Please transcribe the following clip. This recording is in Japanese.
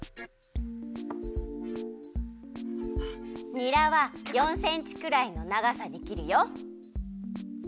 にらは４センチくらいのながさにきるよ。